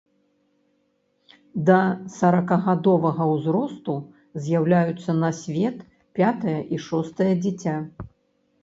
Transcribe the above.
Да саракагадовага ўзросту з'яўляюцца на свет пятае і шостае дзіця.